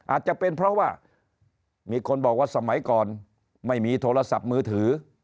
อาจจะเป็นเพราะว่ามีคนบอกว่าสมัยก่อนไม่มีโทรศัพท์มือถือ